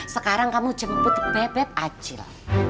sekarang kamu jemput beb beb ajil